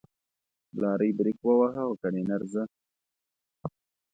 لارۍ برېک وواهه او کلينر زه.